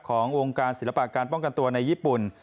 ขององค์การศิลปะการป้องกันตัวในญี่ปุ่น